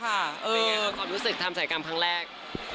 เป็นอย่างไรครับรู้สึกทำศักยกรรมครั้งแรก